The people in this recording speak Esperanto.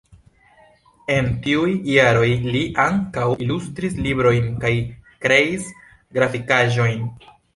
En tiuj jaroj li ankaŭ ilustris librojn kaj kreis grafikaĵojn.